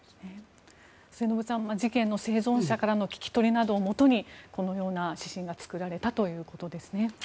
末延さん事件の生存者からの聞き取りなどをもとにこのような指針が作られたということですね。